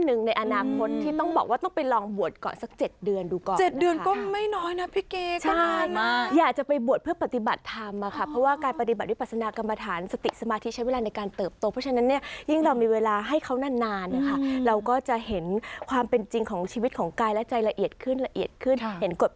หนึ่งในอนาคตที่ต้องบอกว่าต้องไปลองบวชก่อนสัก๗เดือนดูก่อน๗เดือนก็ไม่น้อยนะพี่เกดใช่อยากจะไปบวชเพื่อปฏิบัติธรรมอะค่ะเพราะว่าการปฏิบัติวิปัสนากรรมฐานสติสมาธิใช้เวลาในการเติบโตเพราะฉะนั้นเนี่ยยิ่งเรามีเวลาให้เขานานนานนะคะเราก็จะเห็นความเป็นจริงของชีวิตของกายและใจละเอียดขึ้นละเอียดขึ้นเห็นกฎ